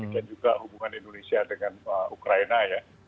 dan juga hubungan indonesia dengan ukraina ya